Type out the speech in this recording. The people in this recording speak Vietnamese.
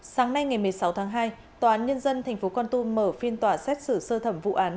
sáng nay ngày một mươi sáu tháng hai tòa án nhân dân tp con tum mở phiên tòa xét xử sơ thẩm vụ án